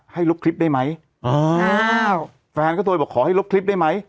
ลบคลิปได้ไหมแฟนก็โทรบอกขอให้ลบคลิปได้ไหม